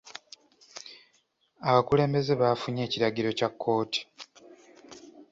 Abakulembeze baafunye ekiragiro kya kkooti.